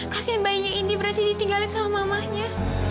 kasian bayinya ini berarti ditinggalin sama mamanya